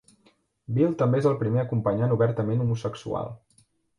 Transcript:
Bill també és el primer acompanyant obertament homosexual.